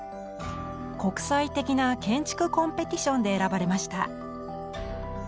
国際的な建築コンペティションで選ばれました。